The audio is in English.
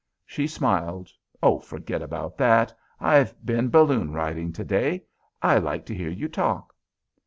She smiled; "Oh, forget about that! I've been balloon riding today. I like to hear you talk."